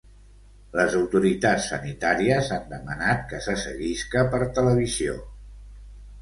Les autoritats sanitàries han demanat que se seguisca per televisió.